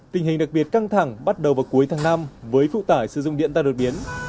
tình hình đặc biệt căng thẳng bắt đầu vào cuối tháng năm với phụ tải sử dụng điện tăng đột biến